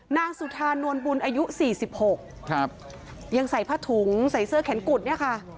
นางสุธานวลบุญอายุสี่สิบหกครับยังใส่ผ้าถุงใส่เสื้อแขนกุดเนี่ยค่ะ